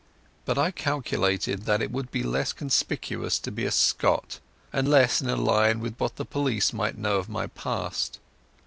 But I calculated that it would be less conspicuous to be a Scot, and less in a line with what the police might know of my past.